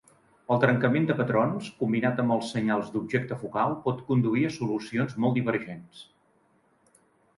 El trencament de patrons, combinat amb els senyals d'objecte focal, pot conduir a solucions molt divergents.